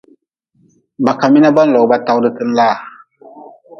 Ba ka mi na ba-n log ba tawdten laa.